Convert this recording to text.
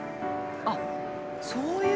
あっそういう。